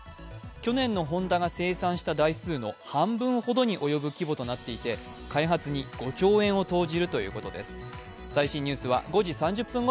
去年のホンダが生産した台数の半分ほどの規模となっていて開発に５兆円を投じるということです。